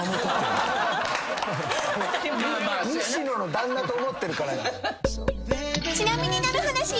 西野の旦那と思ってるから。